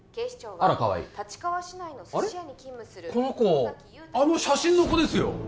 あらかわいい立川市内の寿司屋に勤務するこの子あの写真の子ですよ